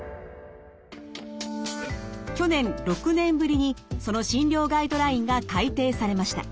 去年６年ぶりにその診療ガイドラインが改訂されました。